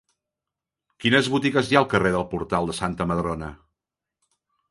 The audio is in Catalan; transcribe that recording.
Quines botigues hi ha al carrer del Portal de Santa Madrona?